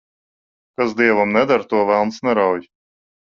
Kas dievam neder, to velns nerauj.